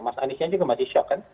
mas aniesnya juga masih shock kan